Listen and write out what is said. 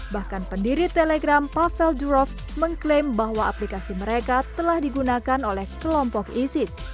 bahkan pendiri telegram pavel durov mengklaim bahwa aplikasi mereka telah digunakan oleh kelompok isis